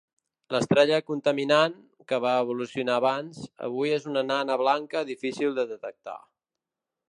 L'estrella contaminant, que va evolucionar abans, avui és una nana blanca difícil de detectar.